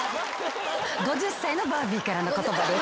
５０歳のバービーからの言葉です。